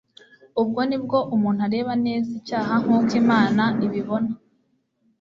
Ubwo nibwo umuntu areba neza icyaha nk'uko Imana ikibona.